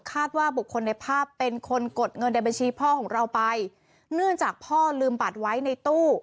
บุคคลในภาพเป็นคนกดเงินในบัญชีพ่อของเราไปเนื่องจากพ่อลืมบัตรไว้ในตู้